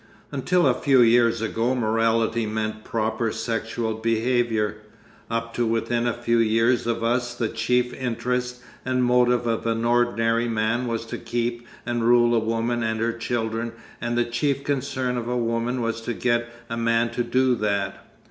Until a few years ago morality meant proper sexual behaviour. Up to within a few years of us the chief interest and motive of an ordinary man was to keep and rule a woman and her children and the chief concern of a woman was to get a man to do that.